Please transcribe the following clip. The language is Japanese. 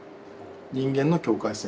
人間の境界線。